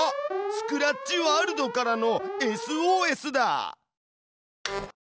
スクラッチワールドからのＳＯＳだ！